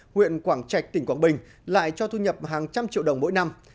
huyện quảng trạch tỉnh quảng bình lại cho thu nhập hàng trăm triệu đồng mỗi năm